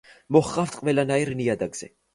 მოჰყავთ ყველანაირ ნიადაგზე.